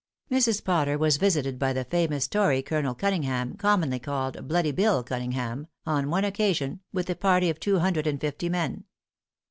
Mrs. Potter was visited by the famous tory, Colonel Cunningham, commonly called "Bloody Bill Cunningham," on one occasion, with a party of two hundred and fifty men.